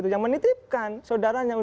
yang menitipkan saudaranya